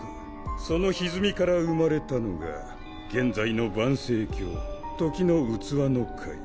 そのひずみから生まれたのが現在の盤星教「時の器の会」。